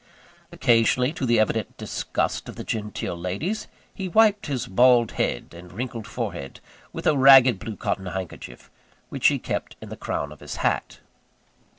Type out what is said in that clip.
Occasionally, to the evident disgust of the genteel ladies, he wiped his bald head and wrinkled forehead with a ragged blue cotton handkerchief, which he kept in the crown of his hat.